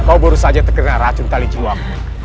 kau baru saja terkena racun tali juang